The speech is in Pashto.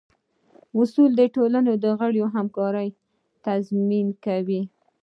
اصول د ټولنې د غړو همکارۍ تضمین کوي.